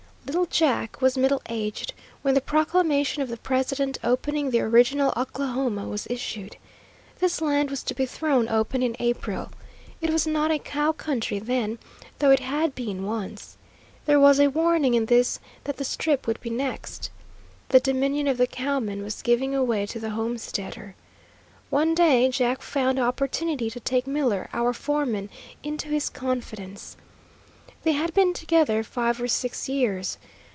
Little Jack was middle aged when the proclamation of the President opening the original Oklahoma was issued. This land was to be thrown open in April. It was not a cow country then, though it had been once. There was a warning in this that the Strip would be next. The dominion of the cowman was giving way to the homesteader. One day Jack found opportunity to take Miller, our foreman, into his confidence. They had been together five or six years.